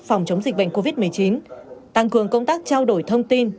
phòng chống dịch bệnh covid một mươi chín tăng cường công tác trao đổi thông tin